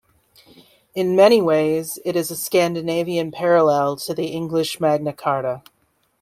In many ways it is a Scandinavian parallel to the English Magna Carta.